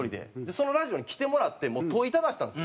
そのラジオに来てもらって問いただしたんです。